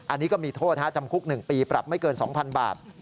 อันนี้ก็มีโทษจำคุก๑ปีปรับไม่เกิน๒๐๐๐บาท